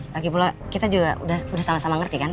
lagi pula kita juga udah salah sama ngerti kan